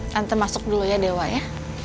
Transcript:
nanti masuk dulu ya dewa ya